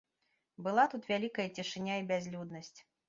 Была тут вялікая цішыня і бязлюднасць.